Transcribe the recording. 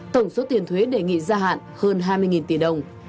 tổng số tiền thuế đề nghị gia hạn